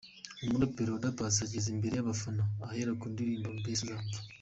Umuraperi Oda Paccy ageze imbere y’abafana ahera ku ndirimbo ’Mbese nzapfa’.